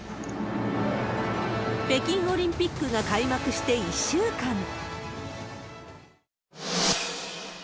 北京オリンピックが開幕して１週間。